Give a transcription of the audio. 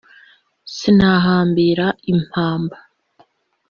sinahambira impamba.